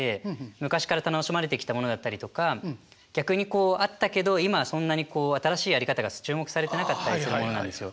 昔から楽しまれてきたものだったりとか逆にこうあったけど今はそんなに新しいやり方が注目されてなかったりするものなんですよ。